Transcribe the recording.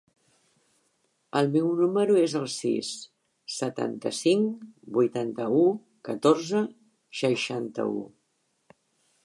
El meu número es el sis, setanta-cinc, vuitanta-u, catorze, seixanta-u.